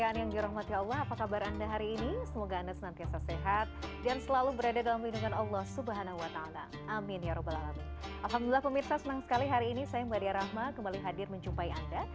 alhamdulillah pemirsa senang sekali hari ini saya mbak dea rahma kembali hadir menjumpai anda